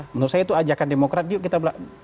menurut saya itu ajakan demokrat yuk kita